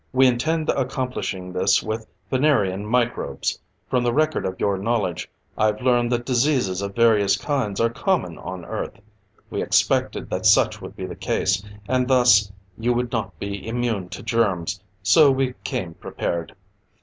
"We intend accomplishing this with Venerian microbes. From the record of your knowledge, I've learned that diseases of various kinds are common on Earth. We expected that such would be the case, and thus, you would not be immune to germs, so we came prepared.